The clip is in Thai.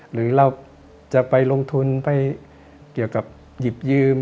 หรือเราจะไปลงทุนไปเกี่ยวกับหยิบยืม